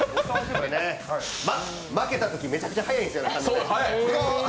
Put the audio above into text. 負けたとき、めちゃくちゃ早いからね。